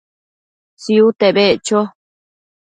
Tsiute beccho